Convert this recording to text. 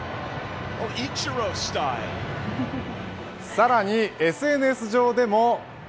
さらにＳＮＳ上でも。